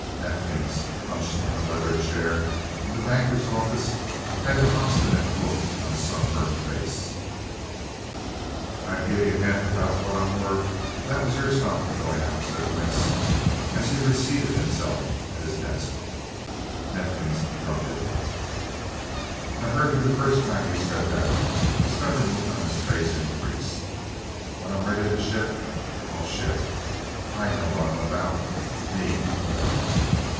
Neifkins, hunched in a leather chair in the banker's office, had an obstinate look on his sunburned face. "I'd give about half I'm worth if that was your stock goin' out," said Wentz, as he reseated himself at his desk. Neifkins grunted. "I heard you the first time you said that." The stubborn look on his face increased. "When I'm ready to ship, I'll ship. I know what I'm about ME."